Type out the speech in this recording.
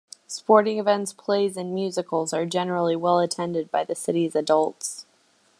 Sporting events, plays and musicals are generally well attended by the city's adults.